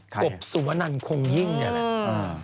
กบสุวนันคงยิ่งอย่างนี้แหละ